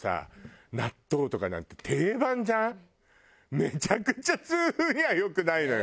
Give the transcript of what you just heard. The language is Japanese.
めちゃくちゃ痛風には良くないのよ。